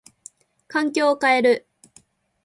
環境を変える。